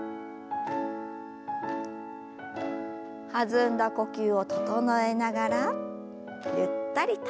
弾んだ呼吸を整えながらゆったりと。